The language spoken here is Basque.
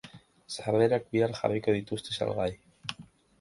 Sarrerak bihar jarriko dituzte salgai.